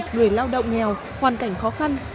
người lao động nghèo hoàn cảnh khó khăn